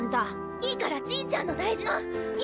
いいからちぃちゃんの大事なもの